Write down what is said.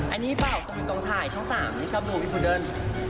อันนี้จะเปล่าตรงถ่ายช่อง๓ชั้น๔ที่ช้ามดูพี่ภูเดิ้น